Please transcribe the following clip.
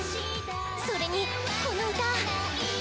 それにこの歌！